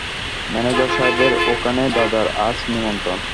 ম্যানেজার-সাহেবের ওখানে দাদার আজ নিমন্ত্রণ।